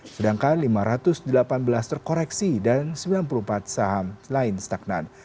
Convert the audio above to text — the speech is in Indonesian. sedangkan lima ratus delapan belas terkoreksi dan sembilan puluh empat saham lain stagnan